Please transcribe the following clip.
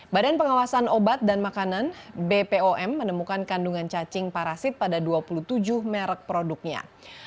badan pengawasan obat dan makanan bpom menemukan kandungan cacing parasit pada dua puluh tujuh merek produknya